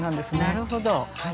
なるほど。